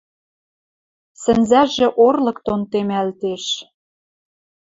Сӹнзӓжӹ орлык дон темӓлтеш.